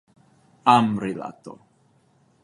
Amrilato.